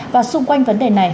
và xung quanh vấn đề này